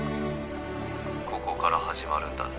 ここから始まるんだな。